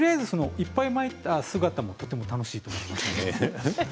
いっぱいまいた姿もとても楽しいと思います。